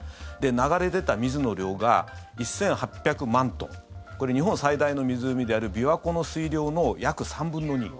流れ出た水の量が１８００万トンこれ、日本最大の湖である琵琶湖の水量の約３分の２。